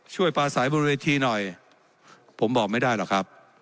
ปลาสายบนเวทีหน่อยผมบอกไม่ได้หรอกครับ